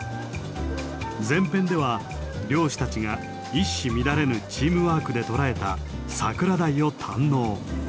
前編では漁師たちが一糸乱れぬチームワークで捕らえたサクラダイを堪能。